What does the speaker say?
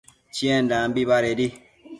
Chiendambi badedi